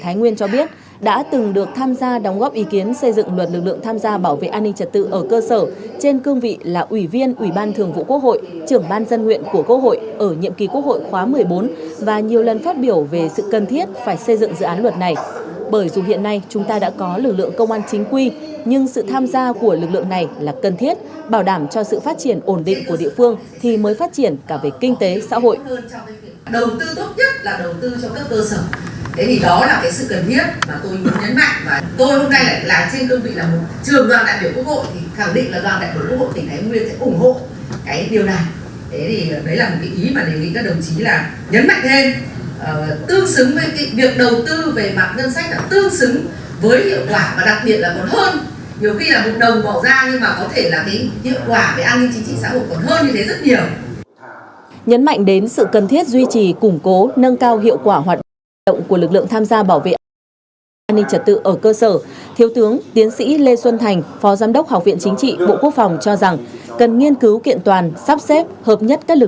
nếu được quốc hội thông qua và ban hành lực lượng tham gia bảo vệ an ninh trật tự ở cơ sở sẽ là cơ sở pháp lý